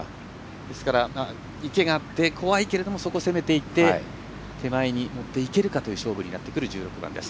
ですから池があって怖いけれどもそこを攻めていって手前に持っていけるかという勝負になってくる１６番です。